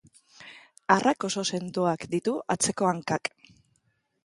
Arrak oso sendoak ditu atzeko hankak.